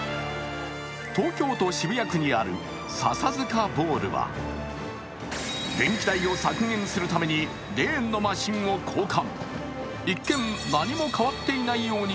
東京都渋谷区にある笹塚ボウルは電気代を削減するためにレーンのマシンを交換。